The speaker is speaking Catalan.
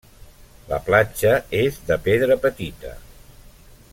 La platja és de pedra petita.